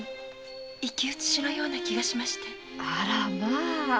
あらまあ。